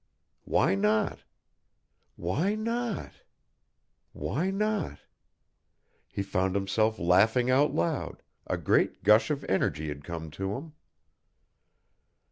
Why not why not why not? He found himself laughing out loud, a great gush of energy had come to him.